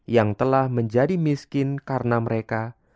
yang telah menjadi miskin karena mereka